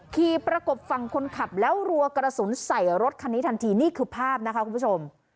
ประกบฝั่งคนขับแล้วรัวกระสุนใส่รถคันนี้ทันทีนี่คือภาพนะคะคุณผู้ชม